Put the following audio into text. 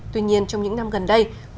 tuy nhiên trong những năm gần đây